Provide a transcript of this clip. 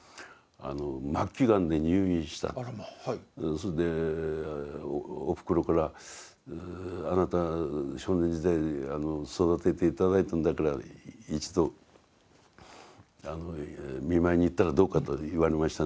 それでおふくろからあなた少年時代育てて頂いたんだから一度見舞いに行ったらどうかと言われましたね。